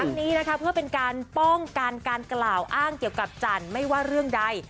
นี้นะคะเพื่อเป็นการป้องกันการกล่าวอ้างเกี่ยวกับจันทร์ไม่ว่าเรื่องใด